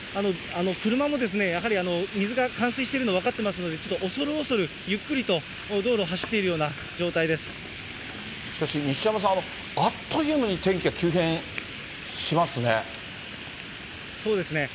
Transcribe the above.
車もやはり水が冠水しているの分かっていますので、ちょっとおそるおそる、ゆっくりと道路を走っているような状態でしかし、西山さん、あっといそうですね。